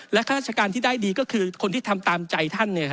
ข้าราชการที่ได้ดีก็คือคนที่ทำตามใจท่าน